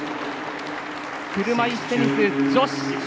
車いすテニス女子